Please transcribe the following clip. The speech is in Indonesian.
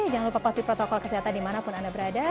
jangan lupa pasti protokol kesehatan dimanapun anda berada